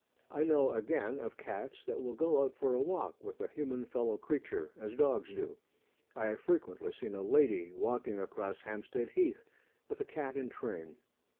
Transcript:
I know, again, of cats that will go out for a walk with a human fellow creature, as dogs do. I have frequently seen a lady walking across Hampstead Heath with a cat in train.